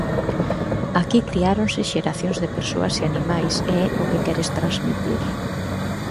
Aquí criáronse xeracións de persoas e animais e é o que queres transmitir.